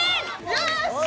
よし！